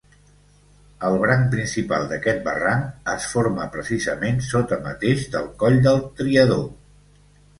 El branc principal d'aquest barranc es forma precisament sota mateix del Coll del Triador.